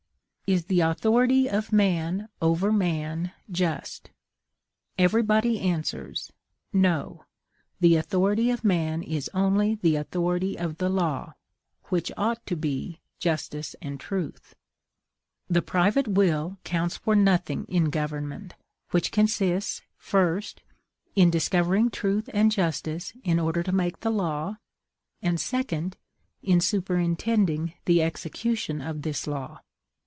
Is the authority of man over man just? Everybody answers, "No; the authority of man is only the authority of the law, which ought to be justice and truth." The private will counts for nothing in government, which consists, first, in discovering truth and justice in order to make the law; and, second, in superintending the execution of this law.